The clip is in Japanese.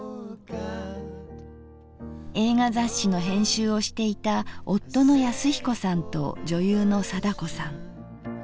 映画雑誌の編集をしていた夫の恭彦さんと女優の貞子さん。